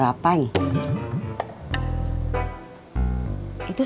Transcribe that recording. aku nggak kekal